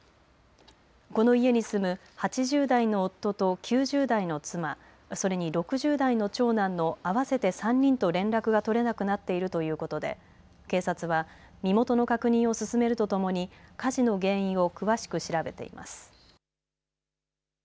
この家に住む８０代の夫と９０代の妻、それに６０代の長男の合わせて３人と連絡が取れなくなっているということで警察は身元の確認を進めるとともに火事の原因を詳しく調べています。